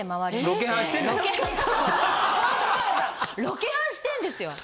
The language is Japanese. ロケハンしてるんですよ。